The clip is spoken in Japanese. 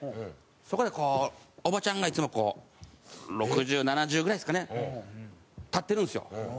そこでこうおばちゃんがいつもこう６０７０ぐらいですかね立ってるんですよ。